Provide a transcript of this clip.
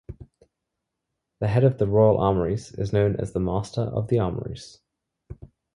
The head of the Royal Armouries is known as the Master of the Armouries.